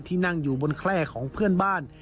นั่งอยู่บนแคล่ของเพื่อนบ้าน